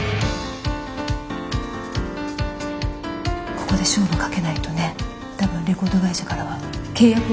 ここで勝負かけないとね多分レコード会社からは契約を切られる。